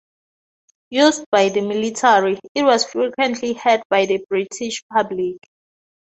Used by the military, it was frequently heard by the British public.